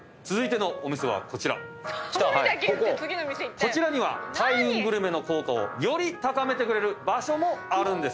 こちらには開運グルメの効果をより高めてくれる場所もあるんです。